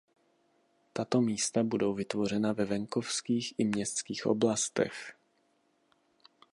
Tato místa budou vytvořena ve venkovských i městských oblastech.